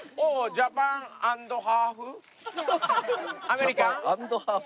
「ジャパンアンドハーフ」。